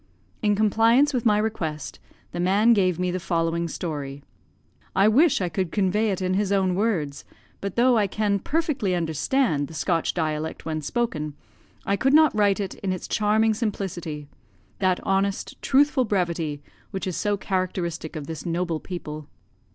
In compliance with my request, the man gave me the following story. I wish I could convey it in his own words, but though I can perfectly understand the Scotch dialect when spoken, I could not write it in its charming simplicity: that honest, truthful brevity, which is so characteristic of this noble people.